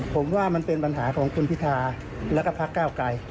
ผมว่ามันเป็นปัญหาของคุณพิธาแล้วก็พักเก้าไกร